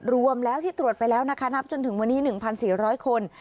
รวมแล้วที่ตรวจไปแล้วนะคะนับจนถึงวันนี้๑๔๐๐คน